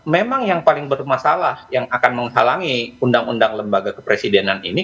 memang yang paling bermasalah yang akan menghalangi undang undang lembaga kepresidenan ini